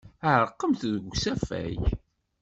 Tɛerqemt deg usafag.